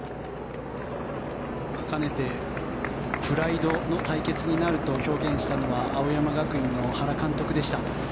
かねてプライドの対決になると表現したのは青山学院の原監督でした。